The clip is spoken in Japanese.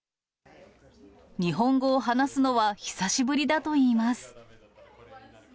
日本語を話すのは久しぶりだといいます。